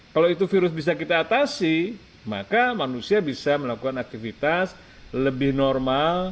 kalau itu virus bisa kita atasi maka manusia bisa melakukan aktivitas lebih normal